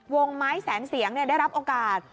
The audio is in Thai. วงไม้แสนเสียงได้รับโอกาส